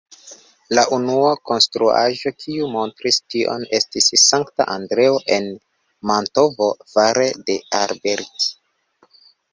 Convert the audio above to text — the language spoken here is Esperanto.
La unua konstruaĵo kiu montris tion estis Sankta Andreo en Mantovo fare de Alberti.